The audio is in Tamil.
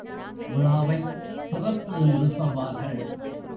விழாவைச் சிறப்பு என்று சொல்வார்கள்.